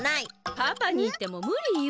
パパに言ってもムリよ。